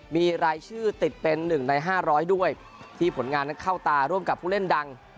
มีรายชื่อติดเป็น๑ใน๕๐๐ด้วยที่ผลงานนั้นเข้าตาร่วมกับผู้เล่นดัง